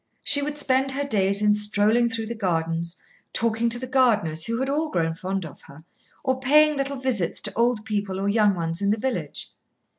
She would spend her days in strolling through the gardens, talking to the gardeners, who had all grown fond of her, or paying little visits to old people or young ones in the village.